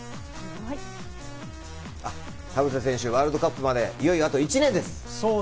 田臥選手、ワールドカップまでいよいよあと１年です。